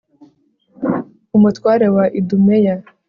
umutware wa idumeya